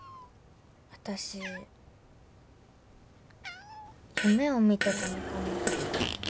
私夢を見てたのかな？